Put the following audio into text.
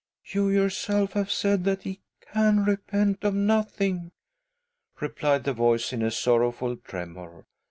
," You yourself have said that he can repent of nothing," replied the voice in a sorrowful tremor.